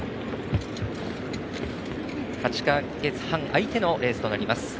８か月半空いてのレースとなります。